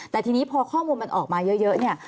แต่ทีนี้พอข้อมูลมันออกมาเยอะเนี่ย